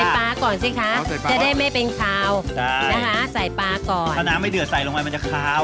ปลาก่อนสิคะจะได้ไม่เป็นคาวนะคะใส่ปลาก่อนถ้าน้ำไม่เดือดใส่ลงไปมันจะคาว